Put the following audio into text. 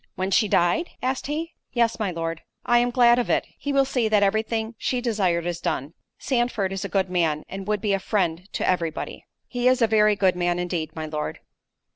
"When she died?" asked he. "Yes, my Lord." "I am glad of it—he will see that every thing she desired is done—Sandford is a good man, and would be a friend to every body." "He is a very good man indeed, my Lord."